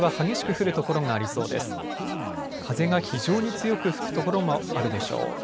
風が非常に強く吹く所もあるでしょう。